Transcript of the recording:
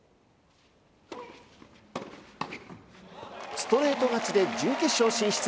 ストレート勝ちで準決勝進出！